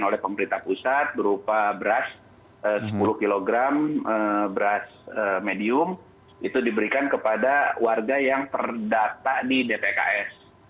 oleh pemerintah pusat berupa beras sepuluh kg beras medium itu diberikan kepada warga yang terdata di dpks